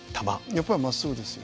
やっぱりまっすぐですよ。